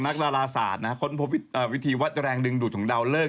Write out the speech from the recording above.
ดาราศาสตร์ค้นพบวิธีวัดแรงดึงดูดของดาวเลิก